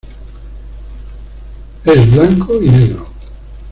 Es blanco y negro.